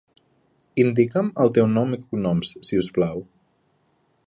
Indica'm el teu nom i cognoms, si us plau.